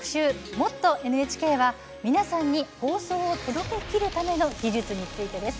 「もっとＮＨＫ」は、皆さんに放送を届けきるための技術についてです。